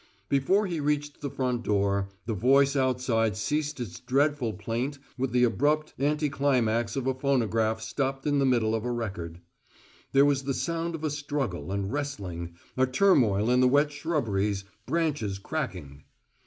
Before he reached the front door, the voice outside ceased its dreadful plaint with the abrupt anti climax of a phonograph stopped in the middle of a record. There was the sound of a struggle and wrestling, a turmoil in the wet shrubberies, branches cracking.